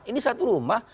ini satu rumah